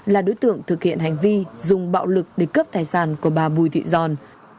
là đối tượng thực hiện hành vi dùng bạo lực để cướp tài sản của bà bùi thị giòn